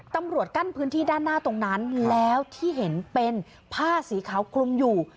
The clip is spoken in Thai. ตำรวจกั้นพื้นที่ด้านหน้าตรงนั้นแล้วที่เห็นเป็นผ้าสีขาวคลุมอยู่